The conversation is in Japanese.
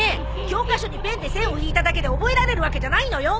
教科書にペンで線を引いただけで覚えられるわけじゃないのよ。